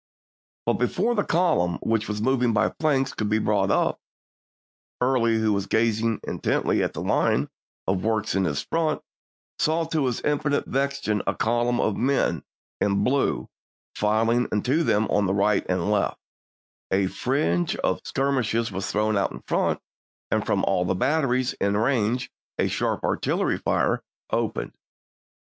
But before the column, which was mov ing by flank, could be brought up, Early, who was gazing intently at the line of works in his front, saw to his infinite vexation a column * of men in blue file into them on the right and left ; a fringe of skirmishers was thrown out in front, and from all the batteries in range a sharp artillery fire opened.